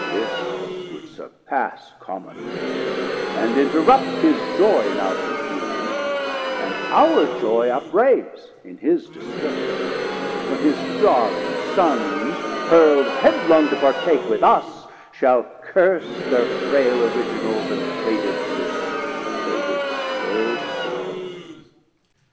This would surpass 370 Common revenge, and interrupt his joy In our Confusion, and our Joy upraise In his disturbance; when his darling Sons Hurl'd headlong to partake with us, shall curse Thir frail Originals, and faded bliss, Faded so soon.